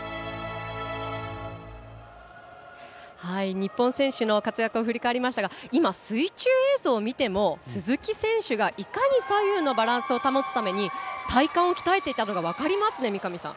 日本選手の活躍を振り返りましたが今、水中映像を見ても鈴木選手が、いかに左右のバランスを保つために体幹を鍛えていたのかが分かりますね。